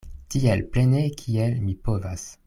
Tiel plene kiel mi povas.